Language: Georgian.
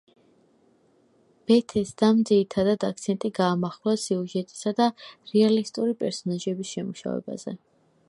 ბეთესდამ, ძირითადად, აქცენტი გაამახვილა სიუჟეტისა და რეალისტური პერსონაჟების შემუშავებაზე.